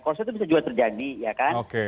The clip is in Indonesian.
proses itu bisa juga terjadi ya kan